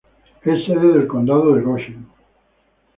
Es sede del condado de Goshen.